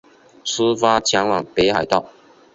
出发前往北海道